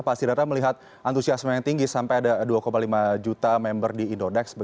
pak sidata melihat antusiasme yang tinggi sampai ada dua lima juta member di indodex